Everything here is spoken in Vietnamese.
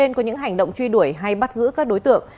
những hành động truy đuổi hay bắt giữ các đối tượng